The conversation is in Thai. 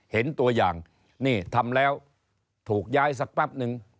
เห็นตัวอย่างนี่ทำแล้วถูกย้ายสักแป๊บนึง